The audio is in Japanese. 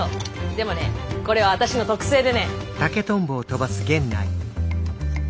でもねこれは私の特製でね。